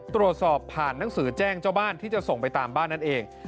ตรวจสอบผ่านหนังสือแจ้งเจ้าบ้านที่จะส่งไปตามบ้านนั่นเอง